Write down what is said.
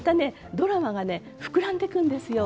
ドラマがね膨らんでいくんですよ。